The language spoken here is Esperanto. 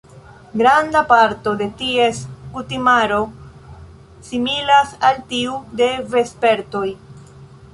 Granda parto de ties kutimaro similas al tiu de vespertoj.